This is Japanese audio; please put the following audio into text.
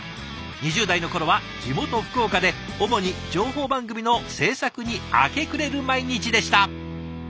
２０代の頃は地元福岡で主に情報番組の制作に明け暮れる毎日でした。